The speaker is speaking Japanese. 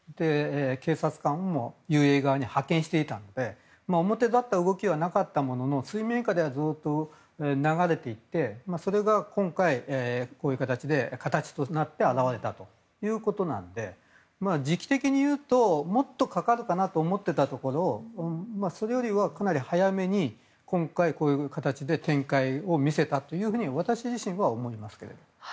警察官もＵＡＥ側に派遣していたので表立った動きはなかったものの水面下ではずっと流れていってそれが今回、こういう形となって表れたということなので時期的にいうともっとかかるかなと思っていたところそれよりは、かなり早めに今回、こういう形で展開を見せたと私自身は思います。